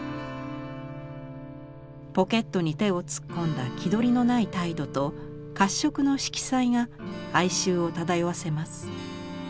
ポケットに手を突っ込んだ気取りのない態度と褐色の色彩が哀愁を漂わせます。